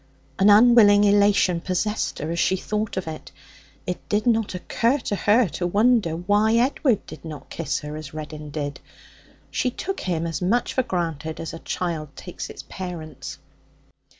An unwilling elation possessed her as she thought of it. It did not occur to her to wonder why Edward did not kiss her as Reddin did. She took him as much for granted as a child takes its parents.